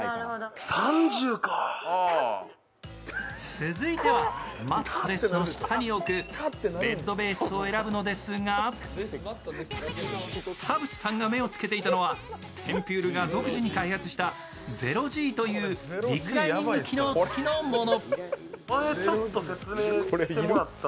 続いてはマットレスの下に置くベッドベースを選ぶのですが田渕さんが目をつけていたのは、テンピュールが独自に開発したＺｅｒｏ−Ｇというリクライニング機能付きのもの。